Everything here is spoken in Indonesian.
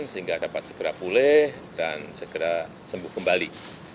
sehingga dapat segera pulih dan segera sembuh kembali